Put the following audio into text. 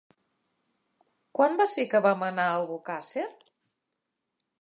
Quan va ser que vam anar a Albocàsser?